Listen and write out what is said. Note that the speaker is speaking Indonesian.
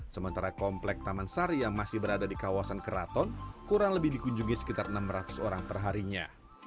sementara komplek taman sari yang masih berada di kawasan keraton kurang lebih dikunjungi sekitar enam ratus orang perharinya